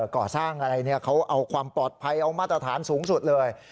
ก่อสร้างอะไรเขาเอาความปลอดภัยเอามาตรฐานสูงสุดเลย